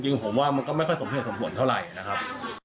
จริงผมว่ามันก็ไม่ค่อยสมเหตุสมผลเท่าไหร่นะครับ